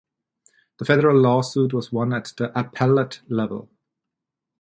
The federal lawsuit was won at the appellate level.